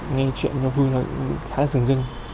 nghe chuyện nó vui nó khá là rừng rừng